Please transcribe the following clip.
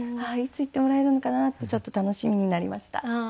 いつ言ってもらえるのかなあってちょっと楽しみになりました。